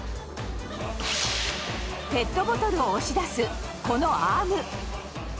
ペットボトルを押し出すこのアーム。